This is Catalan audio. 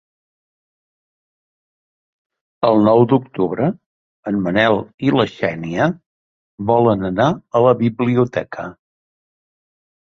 El nou d'octubre en Manel i na Xènia volen anar a la biblioteca.